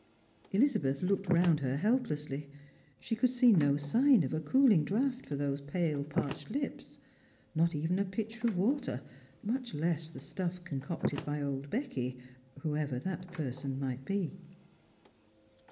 Ehzabeth looked round her heljilessly. She could see no siga of a cooling draught for those pale parched lips; not even a pitcher of water, much less the stuff concocted by old Becky, whoever that person might be.